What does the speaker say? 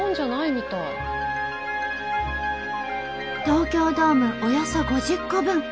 東京ドームおよそ５０個分。